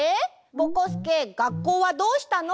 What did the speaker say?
ぼこすけがっこうはどうしたの？